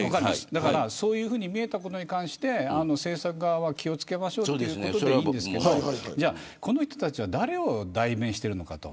だから、そういうふうに見えたことに関して制作側は気を付けましょうというのはいいんですけれどこの人たちは誰を代弁しているのかと。